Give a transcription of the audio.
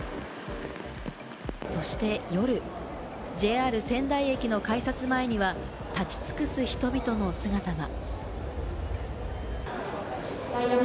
そして夜、ＪＲ仙台駅の改札前には、立ち尽くす人々の姿が。